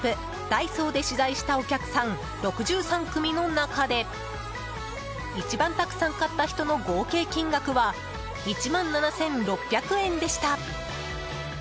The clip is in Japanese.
ダイソーで取材したお客さん６３組の中で一番たくさん買った人の合計金額は１万７６００円でした。